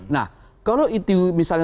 nah kalau itu misalnya